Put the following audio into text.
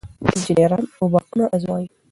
انجنیران روباټونه ازمويي.